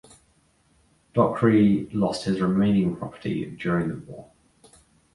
Dockery lost his remaining property during the war.